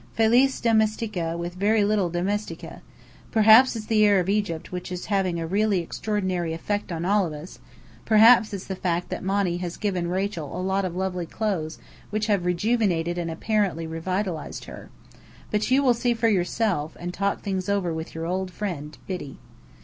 Felis Domestica with very little Domestica! Perhaps it's the air of Egypt which is having a really extraordinary effect on all of us; perhaps it's the fact that Monny has given Rachel a lot of lovely clothes which have rejuvenated and apparently revitalized her. But you will see for yourself, and talk things over with Your old friend, Biddy.